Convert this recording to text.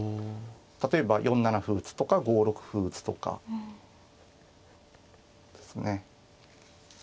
例えば４七歩打とか５六歩打とかですね。